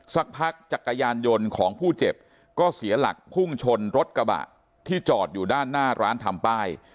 สักพักจักรยานยนต์ของผู้เจ็บก็เสียหลักพุ่งชนรถกระบะที่จอดอยู่ด้านหน้าร้านทำป้าย